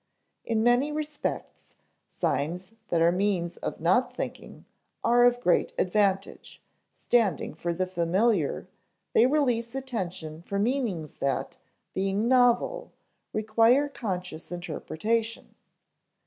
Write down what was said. In many respects, signs that are means of not thinking are of great advantage; standing for the familiar, they release attention for meanings that, being novel, require conscious interpretation.